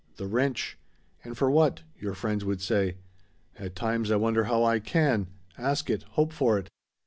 The wrench. And, for what? your friends would say. At times I wonder how I can ask it, hope for it.